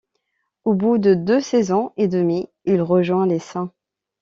Au bout de deux saisons et demie, il rejoint les St.